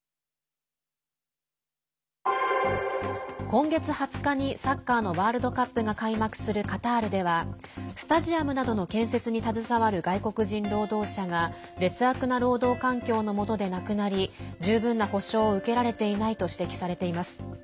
今月２０日にサッカーのワールドカップが開幕するカタールではスタジアムなどの建設に携わる外国人労働者が劣悪な労働環境のもとで亡くなり十分な補償を受けられていないと指摘されています。